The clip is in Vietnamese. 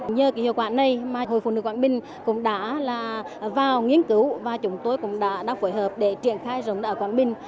nhờ cái hiệu quả này mà hội phụ nữ quảng bình cũng đã vào nghiên cứu và chúng tôi cũng đã đặt phối hợp để triển khai rồng đạo quảng bình